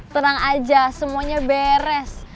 tenang aja semuanya beres